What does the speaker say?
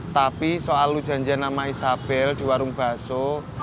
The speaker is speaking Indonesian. tapi soal lo janjian sama isabel di warung baso